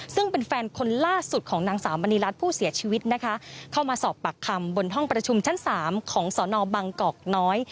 ซึ่งเป็นแฟนคนล่าสุดของนางสาวมณีรัฐผู้เสียชีวิตนะคะเข้ามาสอบปากคำบนห้องประชุมชั้นสามของสอนอบังกอกน้อย